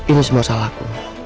ini semua salahku